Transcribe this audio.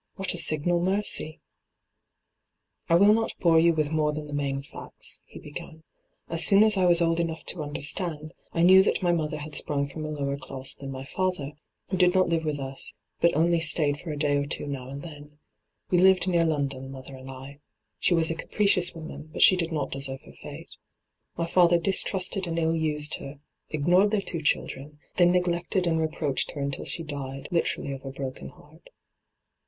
What a signal mercy I ' I will not bore you with more than the main &cts,' he began. ' Aa soon as I was old enough to understand, I knew that my mother had sprung from a lower class than my father, hyGoogIc ENTRAPPED 20 1 who did not live with us, but only stayed for a day or two now and then. We lived near London, mother and I. She was a capricious woman, but she did not deserve her fate. My father distrusted and ill used her ; ignored their two children ; then neglected and reproached her until she died, literally of a broken heart.'